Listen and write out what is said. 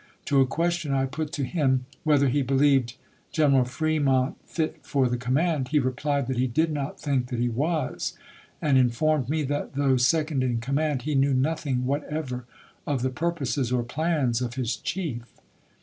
To a question I put to him, 'Svhether he believed General Fremont fit for the ^ command," he replied that he did not think that he was : Cameron to ,",,, t •\^^ Lincoln, and informed me that though second m command, he knew MS. ' nothing whatever of the purposes or plans of his chief.